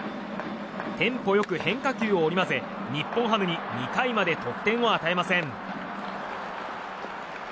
テンポ良く変化球を投げ日本ハムに２回まで得点を与えません。